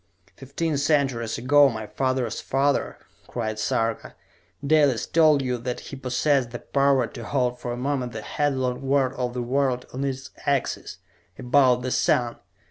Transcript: "Fifteen centuries ago, my father's father," cried Sarka, "Dalis told you that he possessed the power to halt for a moment the headlong whirl of the world on its axis about the sun!